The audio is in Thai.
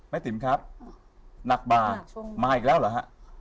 แม่ติ๋มครับหนักบาหนักช่วงมาอีกแล้วเหรอฮะ